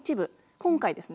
今回ですね